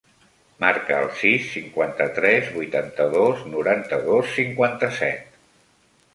Marca el sis, cinquanta-tres, vuitanta-dos, noranta-dos, cinquanta-set.